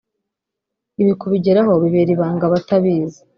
Ibi kubigeraho bibera ibanga abatabizi